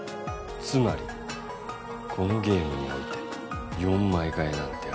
つまりこのゲームにおいて４枚換えなんてあり得ない。